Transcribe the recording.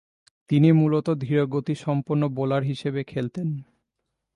তিনি মূলতঃ ধীরগতিসম্পন্ন বোলার হিসেবে খেলতেন।